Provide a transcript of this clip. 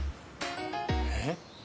えっ？